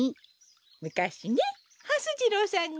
むかしねはす次郎さんに。